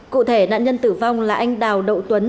cụ thể nạn nhân tử vong là anh đào độ tuấn